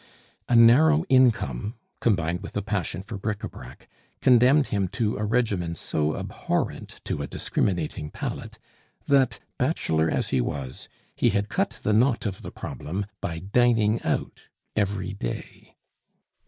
A narrow income, combined with a passion for bric a brac, condemned him to a regimen so abhorrent to a discriminating palate, that, bachelor as he was, he had cut the knot of the problem by dining out every day.